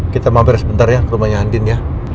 kita mampir sebentar ya ke rumahnya andin ya